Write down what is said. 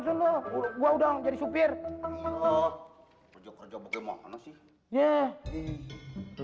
senur gua udah jadi supir oh kerja kerja bagaimana sih ya